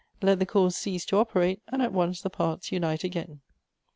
Let the cause cease to operate, and at once the parts unite again."